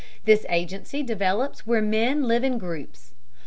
This agency develops where men live in groups.